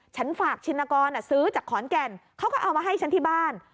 ฉันฝากชินกรซื้อจากขอนแก่นเขาก็เอามาให้ฉันที่บ้าน